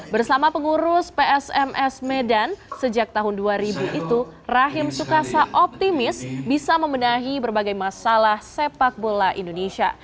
bersama pengurus psms medan sejak tahun dua ribu itu rahim sukasa optimis bisa membenahi berbagai masalah sepak bola indonesia